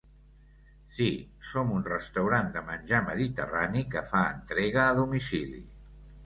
Sí, som un restaurant de menjar mediterrani que fa entrega a domicili.